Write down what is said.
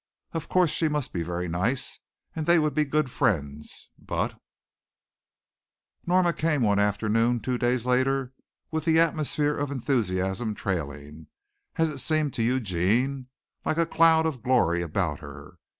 Of course she must be very nice and they would be good friends, but Norma came one afternoon two days later with the atmosphere of enthusiasm trailing, as it seemed to Eugene, like a cloud of glory about her.